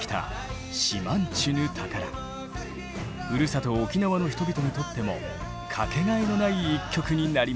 ふるさと沖縄の人々にとっても掛けがえのない一曲になりました。